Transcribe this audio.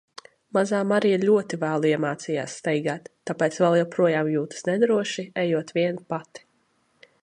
Mazā Marija ļoti vēlu iemācījās staigāt, tāpēc vēl joprojām jūtas nedroši, ejot viena pati.